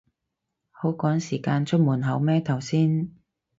好趕時間出門口咩頭先